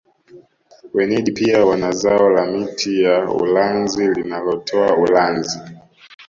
Wenyeji pia wanazao la miti ya ulanzi linalotoa ulanzi